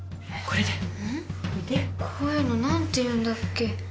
こういうの何て言うんだっけ？